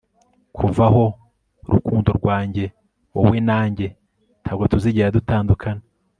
kuva aho, rukundo rwanjye, wowe na njye ntabwo tuzigera dutandukana